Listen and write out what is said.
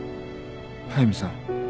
速見さん